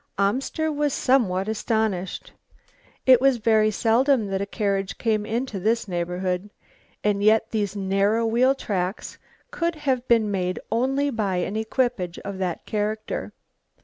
Amster was somewhat astonished. It was very seldom that a carriage came into this neighbourhood, and yet these narrow wheel tracks could have been made only by an equipage of that character.